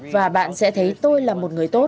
và bạn sẽ thấy tôi là một người tốt